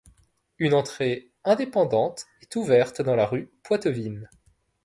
Une entrée indépendante est ouverte dans la rue Poitevine.